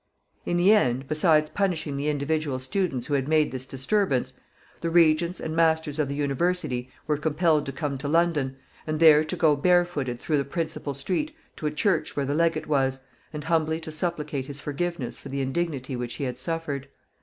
In the end, besides punishing the individual students who had made this disturbance, the regents and masters of the University were compelled to come to London, and there to go barefooted through the principal street to a church where the legate was, and humbly to supplicate his forgiveness for the indignity which he had suffered.